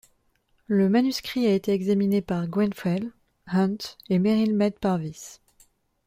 Le manuscrit a été examiné par Grenfell, Hunt, et Merrill Mead Parvis.